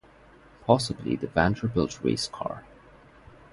Possibly the Vanderbilt race car.